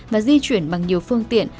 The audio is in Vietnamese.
và di chuyển bằng nhiều phương tiện